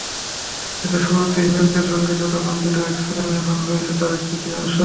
কিন্তু শুরুতে হিমন্তের সঙ্গে যতজন বিধায়ক ছিলেন, এখন রয়েছে তার এক-তৃতীয়াংশ।